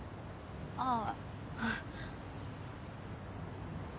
ああ。